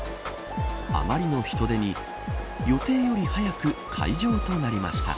あまりの人出に予定より早く開場となりました。